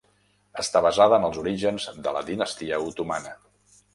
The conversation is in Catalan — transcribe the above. Està basada en els orígens de la dinastia otomana.